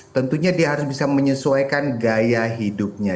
tentunya dia harus bisa menyesuaikan gaya hidupnya